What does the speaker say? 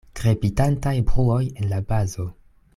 Krepitantaj bruoj en la bazo.